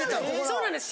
そうなんです